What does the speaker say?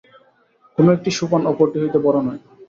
কোন একটি সোপান অপরটি হইতে বড় নয়।